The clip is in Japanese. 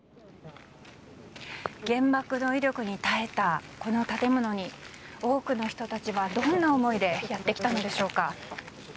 原爆の威力に耐えたこの建物に多くの人たちは、どんな思いでやってきたのでしょうか。